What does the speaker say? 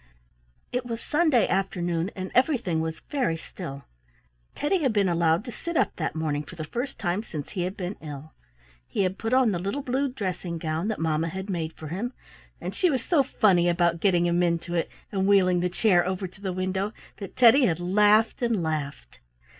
It was Sunday afternoon, and everything was very still. Teddy had been allowed to sit up that morning for the first time since he had been ill. He had put on the little blue dressing gown that mamma had made for him, and she was so funny about getting him into it, and wheeling the chair over to the window, that Teddy had laughed and laughed.